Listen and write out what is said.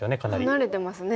離れてますね。